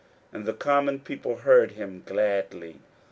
And the common people heard him gladly.